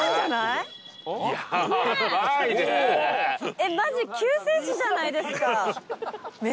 えっマジ救世主じゃないですか。